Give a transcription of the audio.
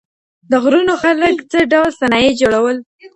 د غرونو خلګ څه ډول صنايع جوړول؟